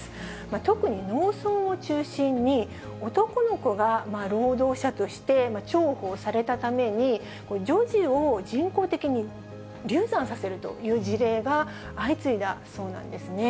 特に農村を中心に、男の子が労働者として重宝されたために、女児を人工的に流産させるという事例が相次いだそうなんですね。